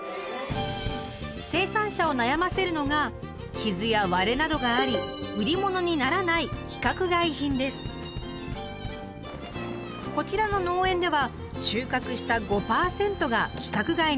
生産者を悩ませるのが傷や割れなどがあり売り物にならないこちらの農園では収穫した５％が規格外になるといいます。